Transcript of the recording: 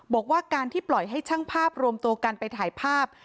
บอกว่าการที่ปล่อยให้ช่างภาพรวมตัวกันไปถ่ายภาพ